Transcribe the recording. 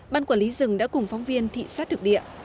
ban quản lý rừng đã cùng phóng viên thị sát thực địa